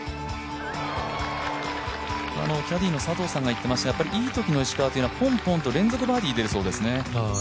キャディーの佐藤さんが言っていましたが、いいときの石川はポンポンと連続バーディー出るそうですね。